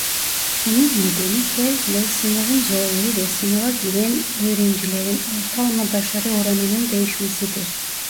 Bunun nedeni her yıl sınavın zorluğu ve sınava giren öğrencilerin ortalama başarı oranının değişmesidir.